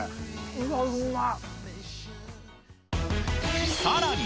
うわ、うまっ。